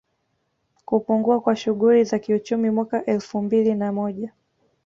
Kupungua kwa shughuli za kiuchumi Mwaka wa elfumbili na moja